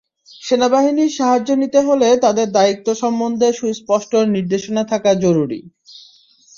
সেনাবাহিনীর সাহায্য নিতে হলে তাদের দায়িত্ব সম্বন্ধে সুস্পষ্ট নির্দেশনা থাকা জরুরি।